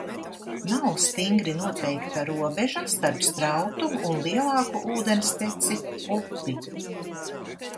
Nav stingri noteikta robeža starp strautu un lielāku ūdensteci – upi.